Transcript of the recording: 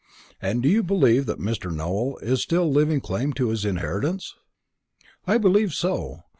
"And do you believe that Mr. Nowell is still living to claim his inheritance?" "I believe so.